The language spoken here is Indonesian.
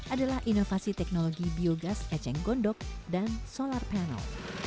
adalah inovasi teknologi biogas eceng gondok dan solar panel